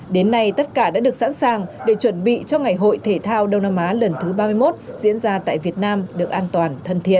đến nay tất cả đã được sẵn sàng để chuẩn bị cho ngày hội thể thao đông nam á lần thứ ba mươi một diễn ra tại việt nam được an toàn thân thiện